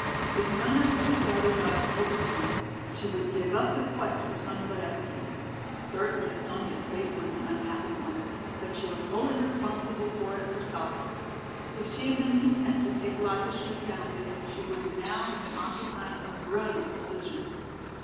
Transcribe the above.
If Nona would be guided by an older woman she would give up the quest for Sonya Valesky. Certainly Sonya's fate was an unhappy one, but she was wholly responsible for it herself. If she had been content to take life as she found it she would now have been occupying a brilliant position.